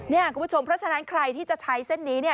คุณผู้ชมเพราะฉะนั้นใครที่จะใช้เส้นนี้เนี่ย